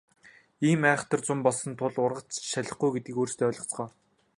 Иймд айхавтар зун болсон тул ургац ч шалихгүй гэдгийг өөрсдөө ойлгоцгоо.